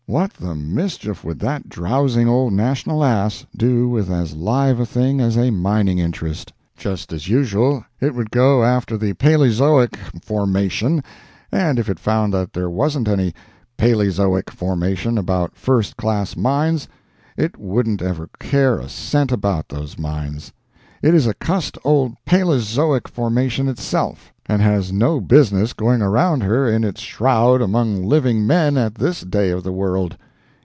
What the mischief would that drowsing old National Ass do with as live a thing as a mining interest? Just as usual, it would go after the "palezoic formation," and if it found that there wasn't any palezoic formation about first class mines, it wouldn't ever care a cent about those mines. It is a cussed old palezoic formation itself, and has no business going around her in its shroud among living men at this day of the world.